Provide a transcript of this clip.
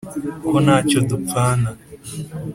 ko nta cyo dupfana